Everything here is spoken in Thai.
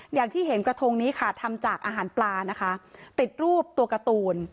อย่างที่เห็นกระทงนี้ค่ะทำจากอาหารปลานะคะติดรูปตัวการ์ตูน